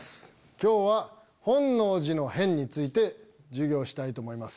今日は本能寺の変について授業したいと思います。